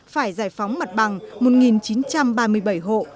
phải giải phóng mặt bằng một chín trăm ba mươi bảy hộ